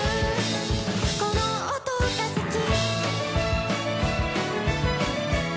「この音が好き」